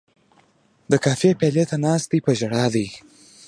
د کافي پیالې ته ناست دی په ژړا دی